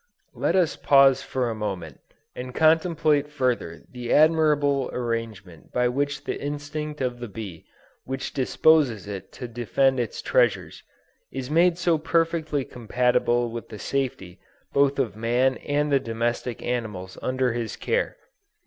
Let us pause for a moment, and contemplate further the admirable arrangement by which the instinct of the bee which disposes it to defend its treasures, is made so perfectly compatible with the safety both of man and the domestic animals under his care.